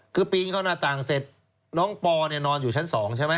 คือปีนเข้าหน้าต่างเสร็จน้องปอเนี่ยนอนอยู่ชั้น๒ใช่ไหม